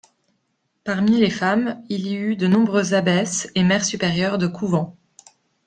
Parmi les femmes, il y eut de nombreuses abbesses et mères supérieures de couvents.